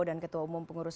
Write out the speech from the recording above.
dan ketua umum pengurus